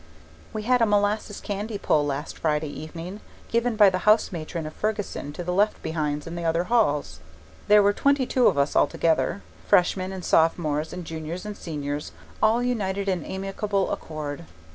We had a molasses candy pull last Friday evening, given by the house matron of Fergussen to the left behinds in the other halls. There were twenty two of us altogether, Freshmen and Sophomores and juniors and Seniors all united in amicable accord.